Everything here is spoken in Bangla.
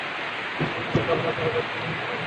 কিন্তুু, আপনার কারাবাসের কারণ কী?